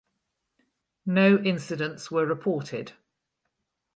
No incidents were reported.